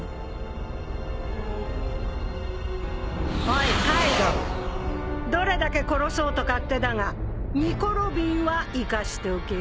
おいカイドウどれだけ殺そうと勝手だがニコ・ロビンは生かしておけよ？